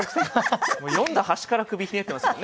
もう読んだ端から首ひねってますもんね。